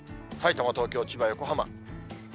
さいたま、東京、千葉、横浜。